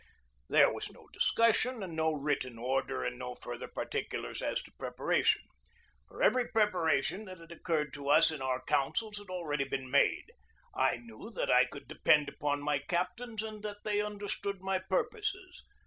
There was no discussion and no written order and no further particulars as to preparation. For every preparation that had occurred to us in our councils had already been made. I knew that I could depend upon my captains and that they understood my pur poses.